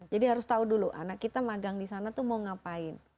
jadi harus tahu dulu anak kita magang disana tuh mau ngapain